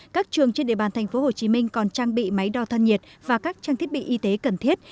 các trường trên địa bàn tp hcm còn trang bị máy đo thân nhiệt và các trang thiết bị y tế cần thiết